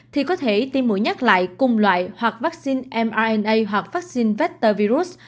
thì có thể tiêm mũi nhắc lại cùng loại hoặc vắc xin mrna hoặc vắc xin vector virus